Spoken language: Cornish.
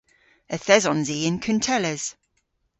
Yth esons i yn kuntelles.